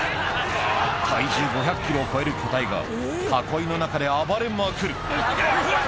体重５００ｋｇを超える巨体が囲いの中で暴れまくるはっ！